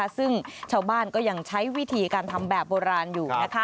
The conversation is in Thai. ซึ่งชาวบ้านก็ยังใช้วิธีการทำแบบโบราณอยู่